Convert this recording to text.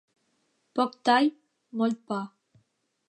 Poc tall, molt pa.